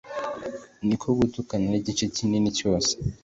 ni uko gutukana ari igice kinini cyacyo